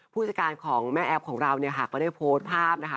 ผู้จัดการของแม่แอฟของเราเนี่ยค่ะก็ได้โพสต์ภาพนะคะ